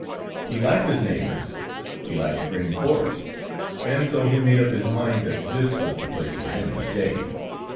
He liked his neighbors, he liked the Green Forest, and so he made up his mind that this was the place for him to stay.